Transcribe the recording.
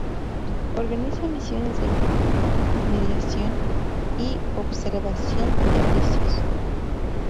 Organiza misiones de mediación y observación de juicios.